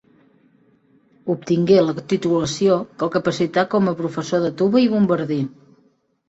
Obtingué la titulació que el capacità com a professor de tuba i bombardí.